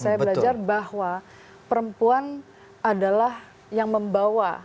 saya belajar bahwa perempuan adalah yang membawa